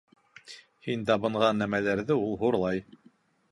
Һин табынған нәмәләрҙе ул хурлай.